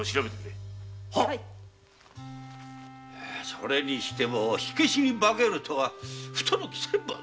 それにしても「火消し」に化けるとは不届きな。